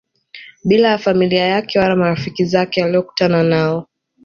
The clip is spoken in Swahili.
bila ya familia yake wala marafiki zake aliokutana nao